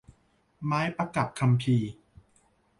ไม้ประกับคัมภีร์